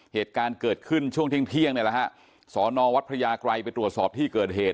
เหตุการณ์เกิดขึ้นช่วงเที่ยงเนี่ยแหละฮะสอนอวัดพระยากรัยไปตรวจสอบที่เกิดเหตุ